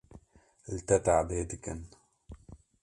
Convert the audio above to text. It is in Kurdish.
li te tehdê dikin